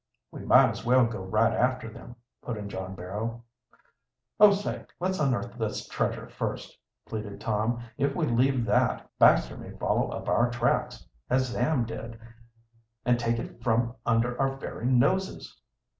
"We might as well go right after them," put in John Barrow. "Oh, say, let's unearth this treasure first," pleaded Tom. "If we leave that, Baxter may follow up our tracks, as Sam did, and take it from under our very noses."